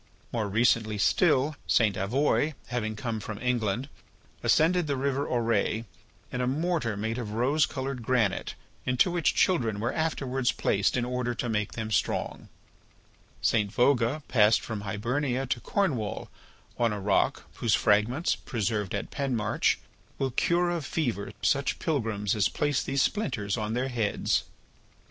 More recently still, St. Avoye having come from England, ascended the river Auray in a mortar made of rose coloured granite into which children were afterwards placed in order to make them strong; St. Vouga passed from Hibernia to Cornwall on a rock whose fragments, preserved at Penmarch, will cure of fever such pilgrims as place these splinters on their heads.